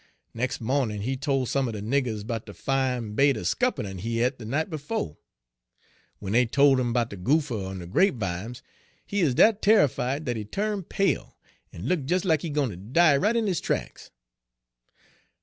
Nex' mawnin' he tole some er de niggers 'bout de fine bait er scuppernon' he et de night befo'. "W'en dey tole 'im 'bout de goopher on de grapevimes, he 'uz dat tarrified dat he turn pale, en look des like he gwine ter die right in his tracks.